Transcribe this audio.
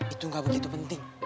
itu gak begitu penting